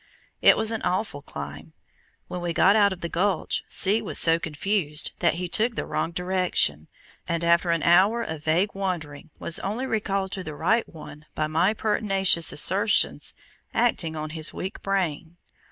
It was an awful climb. When we got out of the gulch, C. was so confused that he took the wrong direction, and after an hour of vague wandering was only recalled to the right one by my pertinacious assertions acting on his weak brain.